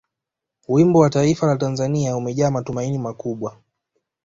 wimbo wa taifa la tanzania umejaa matumaini makubwa